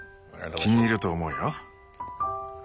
気に入ると思うよ。